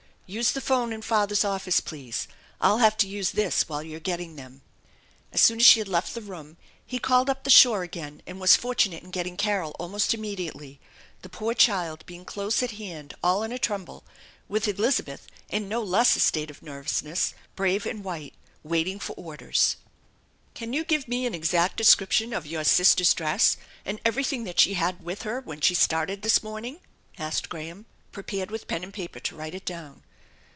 Use the phone in father's office please, I'll have to use this while you're getting them." 864 THE ENCHANTED BARN As soon as she had left the room he called up the show again and was fortunate in getting Carol almost immediately, the poor child being close at hand all in a tremble, with Elizabeth in no less a state of nervousness, brave and white, waiting for orders. " Can yoa give me an exact description of your sister's dress, and everything that she had with her when she started this morning ?" asked Graham, prepared with pen and paper to write it down.